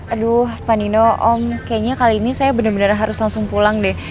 aduh pak nino om kayaknya kali ini saya benar benar harus langsung pulang deh